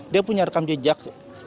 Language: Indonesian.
dia punya rekam jejak